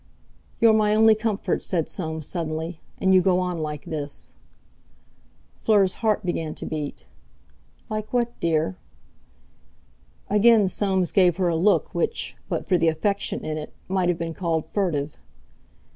"You're my only comfort," said Soames suddenly, "and you go on like this." Fleur's heart began to beat. "Like what, dear?" Again Soames gave her a look which, but for the affection in it, might have been called furtive.